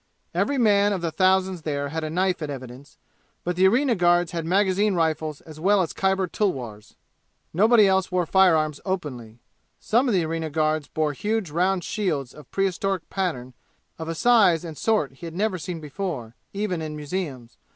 Every man of the thousands there had a knife in evidence, but the arena guards had magazine rifles well as Khyber tulwars. Nobody else wore firearms openly. Some of the arena guards bore huge round shields of prehistoric pattern of a size and sort he had never seen before, even in museums.